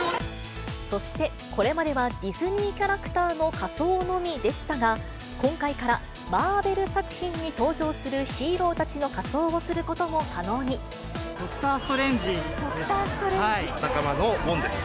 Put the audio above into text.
そして、これまではディズニーキャラクターのみの仮装のみでしたが、今回からマーベル作品に登場するヒーローたちに仮装をすることもドクター・ストレンジです。